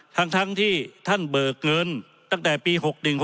ทั้งที่ท่านเบิกเงินตั้งแต่ปี๖๑๖